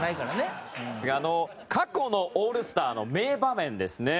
清水：過去のオールスターの名場面ですね。